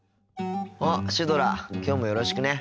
あっシュドラきょうもよろしくね。